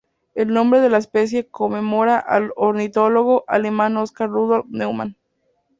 El nombre de la especie conmemora al ornitólogo alemán Oscar Rudolph Neumann.